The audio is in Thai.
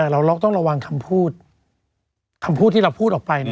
เราต้องระวังคำพูดคำพูดที่เราพูดออกไป